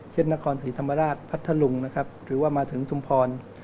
เช่นนครศรีธรรมราชพัทธรุงหรือว่ามาถึงสุมพร